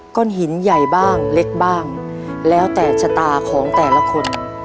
้นหินใหญ่บ้างเล็กบ้างแล้วแต่ชะตาของแต่ละคน